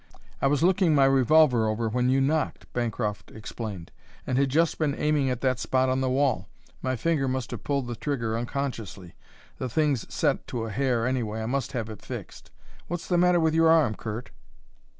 "I was looking my revolver over when you knocked," Bancroft explained, "and had just been aiming at that spot on the wall. My finger must have pulled the trigger unconsciously. The thing's set to a hair, anyway. I must have it fixed. What's the matter with your arm, Curt?"